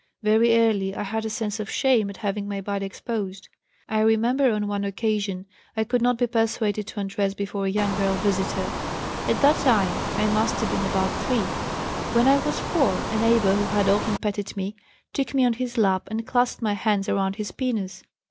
Very early I had a sense of shame at having my body exposed; I remember on one occasion I could not be persuaded to undress before a young girl visitor. At that time I must have been about 3. When I was 4 a neighbor who had often petted me took me on his lap and clasped my hand around his penis.